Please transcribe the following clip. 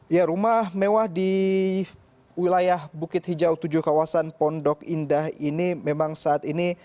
ya rumah mewah di wilayah bukit hijau tujuh kawasan pondok indah ini memang saat ini